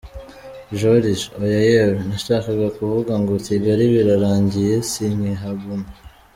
Joriji: Oya yewe, nashakaga kuvuga ngo Kigali Birarangiye Sinkihagumye!.